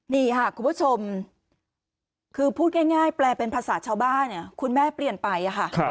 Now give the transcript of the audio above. นี่ค่ะคุณผู้ชมคือพูดง่ายแปลเป็นภาษาชาวบ้านคุณแม่เปลี่ยนไปค่ะ